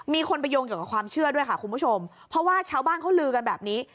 มีคนไปโยงเกี่ยวกับความเชื่อด้วยค่ะคุณผู้ชมเพราะว่าชาวบ้านเขาลือกันแบบนี้